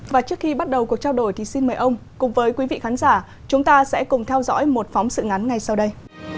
và trước khi bắt đầu cuộc trao đổi thì xin mời ông cùng với quý vị khán giả chúng ta sẽ cùng theo dõi một phóng sự ngắn ngay sau đây